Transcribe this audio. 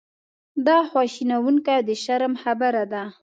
دا خواشینونکې او د شرم خبره ده.